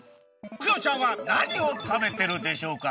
クヨちゃんはなにを食べてるでしょうか？